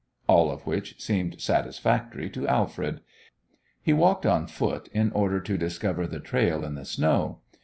All of which seemed satisfactory to Alfred. He walked on foot in order to discover the trail in the snow.